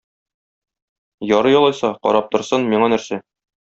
Ярый алайса, карап торсын, миңа нәрсә.